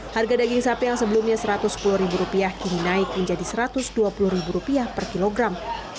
harga daging sapi yang sebelumnya rp satu ratus sepuluh kini naik menjadi rp satu ratus dua puluh per kilogram